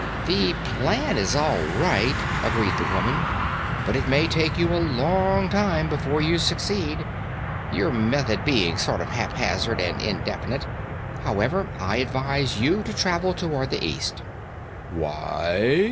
"The plan is all right," agreed the woman, "but it may take you a long time before you succeed, your method being sort of haphazard and indefinite. However, I advise you to travel toward the east." "Why?"